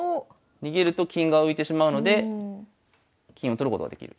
逃げると金が浮いてしまうので金を取ることができる。